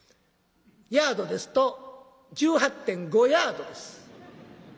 ヤードですと１８．５ヤードです。